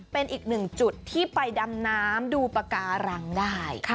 เป็นอีกหนึ่งจุดที่ไปดำน้ำดูปากการังได้